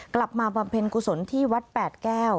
บำเพ็ญกุศลที่วัดแปดแก้ว